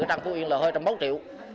ở trong phụ yên là hơi trăm báu triệu